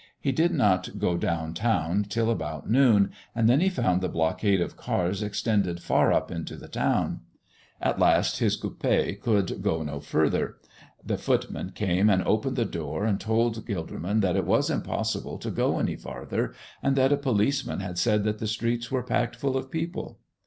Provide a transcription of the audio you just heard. He did not go down town till about noon, and then he found the blockade of cars extended far up into the town. At last his coupé could go no farther. The footman came and opened the door and told Gilderman that it was impossible to go any farther, and that a policeman had said that the streets were packed full of people.